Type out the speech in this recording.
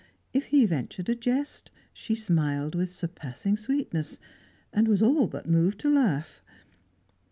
If he ventured a jest, she smiled with surpassing sweetness, and was all but moved to laugh.